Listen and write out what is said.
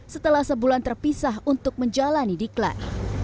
setelah sebulan terpisah untuk menjalani diklat